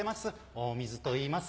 大水といいます